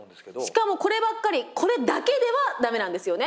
しかもこればっかりこれだけでは駄目なんですよね。